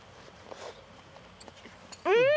うん！